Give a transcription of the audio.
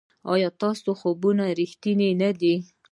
ایا ستاسو خوبونه ریښتیني نه دي؟